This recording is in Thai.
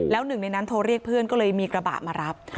แล้วหนึ่งในนั้นโทรเรียกเพื่อนก็เลยมีกระบะมารับ